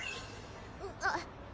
あっ。